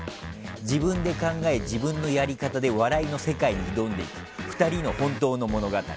自分で考え自分のやり方で笑いの世界に挑んでいく２人の本当の物語。